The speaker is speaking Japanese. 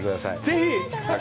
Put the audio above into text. ぜひ！